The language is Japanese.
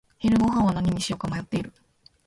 昼ごはんは何にしようか迷っている。